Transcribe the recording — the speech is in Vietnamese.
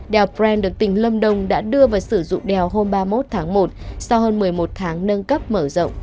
đèo pren được tỉnh lâm đồng đã đưa vào sử dụng đèo hôm ba mươi một tháng một sau hơn một mươi một tháng nâng cấp mở rộng